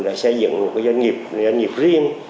là xây dựng một doanh nghiệp riêng